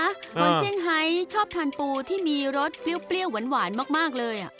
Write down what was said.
คนเซี่ยงไฮชอบทานปูที่มีรสเปรี้ยวหวานมากเลย